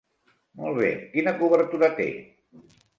Molt bé, quina cobertura té?